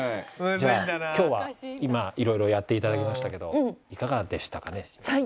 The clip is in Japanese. じゃあ今日は今色々やって頂きましたけどいかがでしたかね？